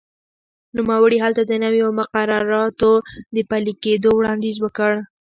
نوموړي هلته د نویو مقرراتو د پلي کېدو وړاندیز وکړ.